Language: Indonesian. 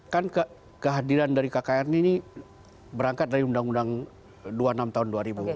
kan kehadiran dari kkn ini berangkat dari undang undang dua puluh enam tahun dua ribu